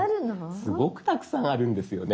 すごくたくさんあるんですよね。